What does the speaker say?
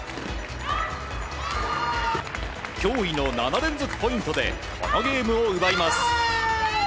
驚異の７連続ポイントでこのゲームを奪います。